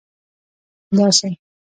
داسي